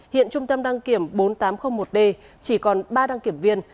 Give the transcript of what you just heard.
hiện trung tâm đăng kiểm bốn nghìn tám trăm linh một d chỉ còn ba đăng kiểm viên